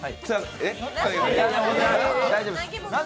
大丈夫です。